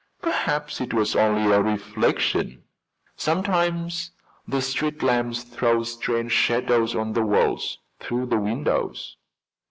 "Perhaps it was only a reflection. Sometimes the street lamps throw strange shadows on the walls through the windows."